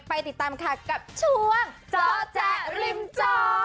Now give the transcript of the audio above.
ไปติดตามค่ะกับช่วงจอแจ๊ริมจอ